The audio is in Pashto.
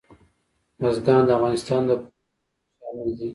بزګان د افغانستان د پوهنې نصاب کې شامل دي.